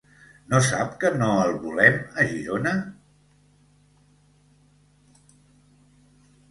No sap que no el volem a Girona?